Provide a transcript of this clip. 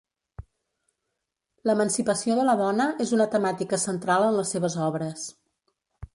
L'emancipació de la dona és una temàtica central en les seves obres.